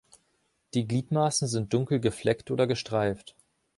Die Gliedmaßen sind dunkel gefleckt oder gestreift.